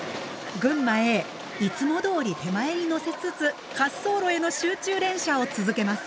群馬Ａいつもどおり手前にのせつつ滑走路への集中連射を続けます。